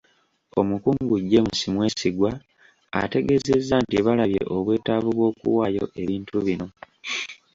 Omukungu James Mwesigwa, ategeezezza nti balabye obwetaavu bw'okuwaayo ebintu bino.